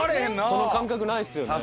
その感覚ないっすよね。